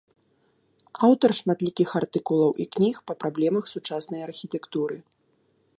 Аўтар шматлікіх артыкулаў і кніг па праблемах сучаснай архітэктуры.